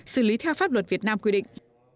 xử lý theo pháp luật việt nam quy định